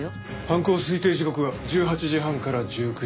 犯行推定時刻は１８時半から１９時。